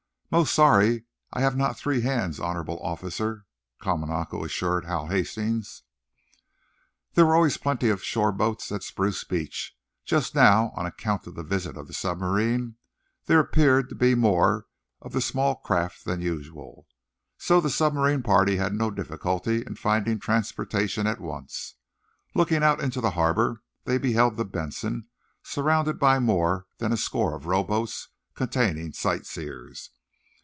"Most sorry I have not three hands, honorable officer," Kamanako assured Hal Hastings. There were always plenty of shore boats at Spruce Beach. Just now, on account of the visit of the submarine, there appeared to be more of the small craft than usual. So the submarine party had no difficulty in finding transportation at once. Looking out into the harbor they beheld the "Benson," surrounded by more than a score of rowboats containing sight seers.